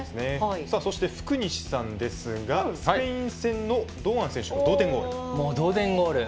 そして福西さんですがスペイン戦の堂安選手の同点ゴール。